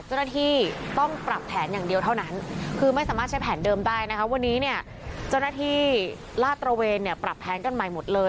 เจ้าหน้าที่ต้องปรับแผนอย่างเดียวเท่านั้นคือไม่สามารถใช้แผนเดิมได้นะคะวันนี้เนี่ยเจ้าหน้าที่ลาดตระเวนเนี่ยปรับแผนกันใหม่หมดเลย